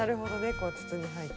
こう筒に入って。